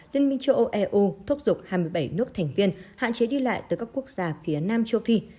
liên minh châu âu eu thúc giục hai mươi bảy nước thành viên hạn chế đi lại từ các quốc gia phía nam châu phi